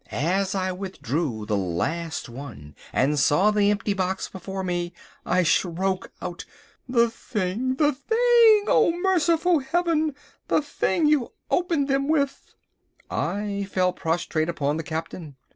As I withdrew the last one and saw the empty box before me, I shroke out—"The thing! the thing! oh, merciful Heaven! The thing you open them with!" I fell prostrate upon the Captain.